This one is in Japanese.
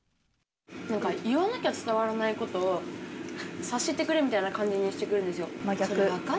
なんか言わなきゃ伝わらないことを、察してくれみたいな感じにしてくるんですよ。